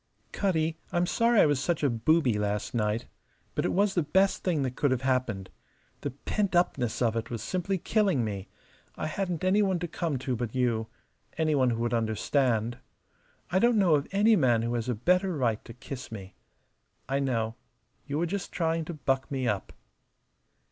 "Cutty, I'm sorry I was such a booby last night. But it was the best thing that could have happened. The pentupness of it was simply killing me. I hadn't any one to come to but you any one who would understand. I don't know of any man who has a better right to kiss me. I know. You were just trying to buck me up."